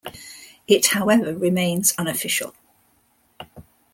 It however remains unofficial.